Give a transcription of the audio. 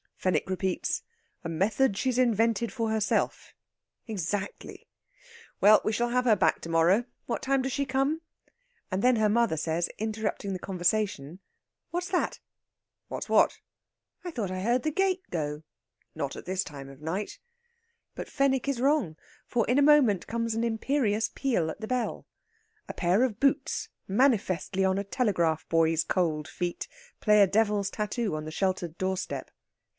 Fenwick repeats, "A method she's invented for herself. Exactly. Well, we shall have her back to morrow. What time does she come?" And then her mother says, interrupting the conversation: "What's that?" "What's what?" "I thought I heard the gate go." "Not at this time of night." But Fenwick is wrong, for in a moment comes an imperious peal at the bell. A pair of boots, manifestly on a telegraph boy's cold feet, play a devil's tattoo on the sheltered doorstep.